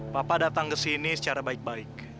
papa datang kesini secara baik baik